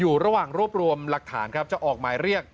อยู่ระหว่างรวบรวมหลักฐานครับจะออกหมายเรียก